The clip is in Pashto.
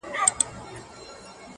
o په خوله خوږ، په کونه کوږ !